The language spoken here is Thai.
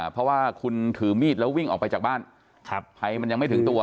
เพราะว่าคุณถือมีดแล้ววิ่งออกไปจากบ้านภัยมันยังไม่ถึงตัว